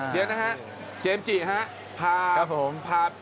เดี๋ยวนะครับเจอิมจิค่ะ